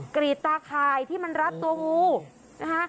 กรีดตาข่ายที่มันรัดตัวงูนะคะ